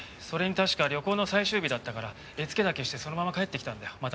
それに確か旅行の最終日だったから絵付けだけしてそのまま帰ってきたんだよ。